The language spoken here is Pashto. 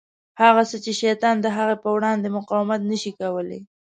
هغه څه چې شیطان د هغه په وړاندې مقاومت نه شي کولای.